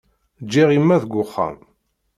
Ǧǧiɣ imma deg uxxam.